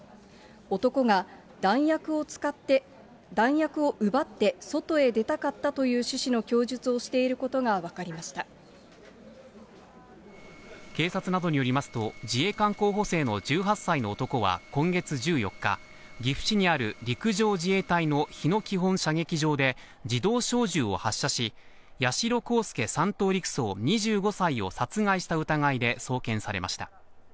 男が、弾薬を奪って外へ出たかったという趣旨の供述をしていることが分警察などによりますと、自衛官候補生の１８歳の男は今月１４日、岐阜市にある陸上自衛隊の日野基本射撃場で自動小銃を発射し、八代航佑３等陸曹２５歳を殺害した疑いで送検されました。